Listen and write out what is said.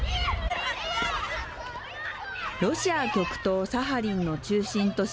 ロシア極東サハリンの中心都市